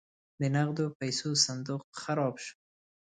د نغدو پیسو صندوق خراب شو.